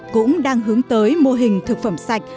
cũng đang hướng tới mô hình thực phẩm sạch